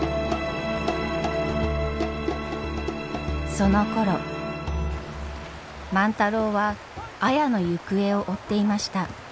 そのころ万太郎は綾の行方を追っていました。